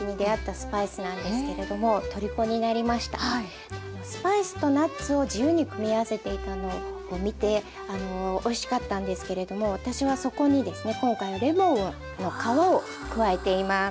スパイスとナッツを自由に組み合わせていたのを見てあのおいしかったんですけれども私はそこにですね今回はレモンの皮を加えています。